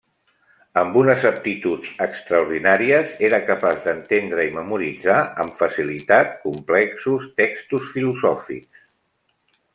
Amb unes aptituds extraordinàries, era capaç d'entendre i memoritzar amb facilitat complexos textos filosòfics.